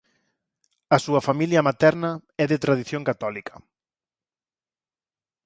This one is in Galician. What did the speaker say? A súa familia materna é de tradición católica